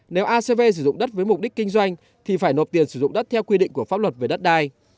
nếu acv sử dụng đất với mục đích kinh doanh thì phải nộp tiền sử dụng đất theo quy định của pháp luật về đất đai